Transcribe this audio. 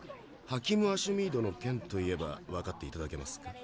ハキム・アシュミードの件と言えばわかっていただけますか？